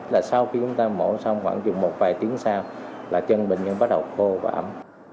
là sau khi chúng ta mổ xong khoảng chừng một vài tiếng sau là chân bệnh nhân bắt đầu khô và ấm